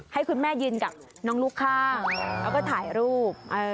ให้คุณแม่ยืนกับน้องลูกข้างแล้วก็ถ่ายรูป